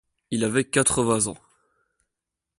Il avait quatre-vingts ans.